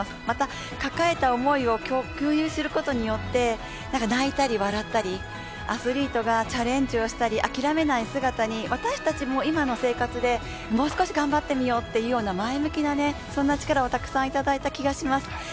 また、抱えた思いを共有することによって泣いたり、笑ったりアスリートがチャレンジをしたり諦めない姿に私たちも今の生活でもう少し頑張ってみようっていうような前向きなそんな力をたくさん、いただいた気がします。